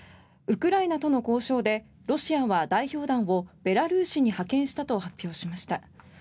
ウクライナとの交渉でロシアは代表団をベラルーシに派遣したと発表しました。